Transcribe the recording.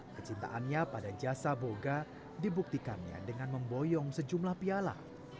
kecintaannya pada jasa boga dibuktikannya dengan memboyong sejumlah piala